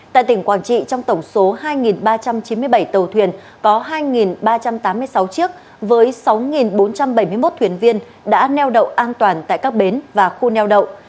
tại tỉnh quảng trị trong tổng số hai ba trăm chín mươi bảy tàu thuyền có hai ba trăm tám mươi sáu chiếc với sáu bốn trăm bảy mươi một thuyền viên đã neo đậu an toàn tại các bến và khu neo đậu